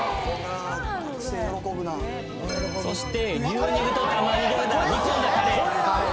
そして牛肉と玉ねぎを煮込んだカレー。